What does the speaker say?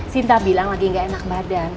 sinta bilang lagi gak enak badan